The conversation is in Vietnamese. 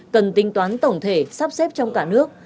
cần tính toán tổng thể sắp xếp trong cả nước